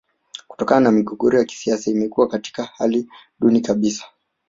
Kutokana na migogoro ya kisiasa imekuwa katika hali duni kabisa